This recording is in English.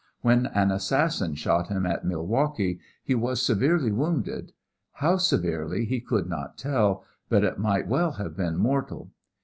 When an assassin shot him at Milwaukee he was severely wounded; how severely he could not tell, but it might well have been mortal.